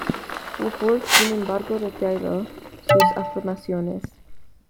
Pujol, sin embargo, reiteró sus afirmaciones.